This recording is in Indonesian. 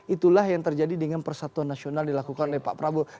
itulah yang terjadi dengan persatuan nasional dilakukan oleh pak prabowo